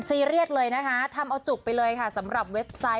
เรียสเลยนะคะทำเอาจุกไปเลยค่ะสำหรับเว็บไซต์